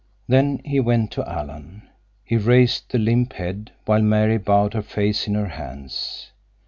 Then he went to Alan. He raised the limp head, while Mary bowed her face in her hands.